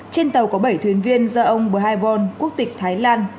trên tàu có bảy thuyền viên do ông buhai bon